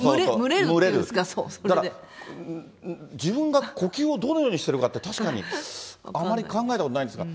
だから自分が呼吸をどのようにしてるかって、確かにあまり考えたことないんですが。